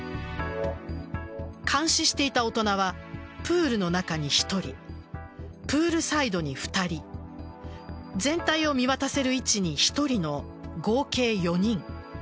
監視していた大人はプールの中に１人プールサイドに２人全体を見渡せる位置に１人の合計４人。